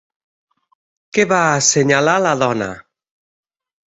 Què va assenyalar la dona?